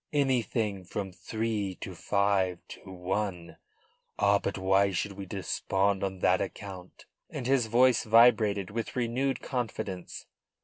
anything from three to five to one. Ah, but why should we despond on that account?" And his voice vibrated with renewed confidence.